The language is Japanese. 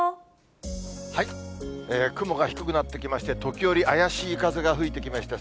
雲が低くなってきまして、時折、怪しい風が吹いてきました。